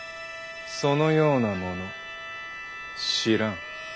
そのような者知らん。